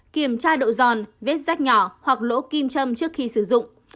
kiểm tra độ giòn vết rác nhỏ hoặc lỗ kim châm trước khi sử dụng